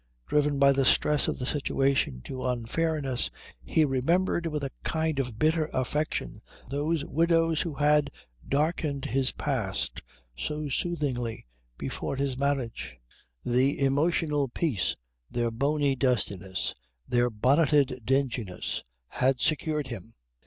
Driven by the stress of the situation to unfairness, he remembered with a kind of bitter affection those widows who had darkened his past so soothingly before his marriage, the emotional peace their bony dustiness, their bonneted dinginess had secured him.